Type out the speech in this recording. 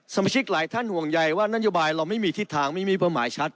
สมาชิกหลายท่านห่วงใยว่านโยบายเราไม่มีทิศทางไม่มีเป้าหมายชัด